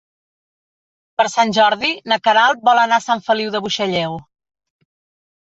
Per Sant Jordi na Queralt vol anar a Sant Feliu de Buixalleu.